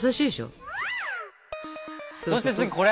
そして次これ！